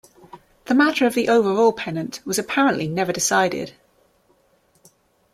The matter of the overall pennant was apparently never decided.